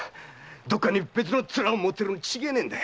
どっかに別のツラを持ってるに違いねえんだ。